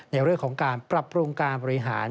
ในเรื่องของการปรับปรุงการบริหาร